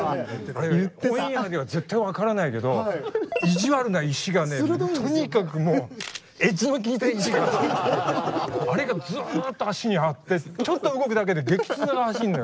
オンエアでは絶対分からないけどいじわるな石がねとにかくもうエッジの効いた石があれがずっと足にあってちょっと動くだけで激痛が走るのよ。